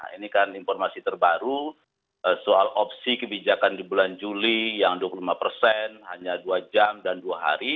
ini kan informasi terbaru soal opsi kebijakan di bulan juli yang dua puluh lima persen hanya dua jam dan dua hari